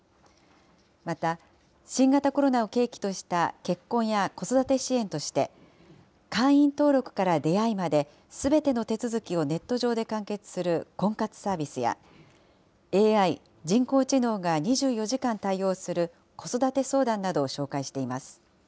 また、新型コロナを契機とした結婚や子育て支援として、会員登録から出会いまで、すべての手続きをネット上で完結する婚活サービスや、ＡＩ・人工知能が２４時間対応する子育て相談などを紹介しています。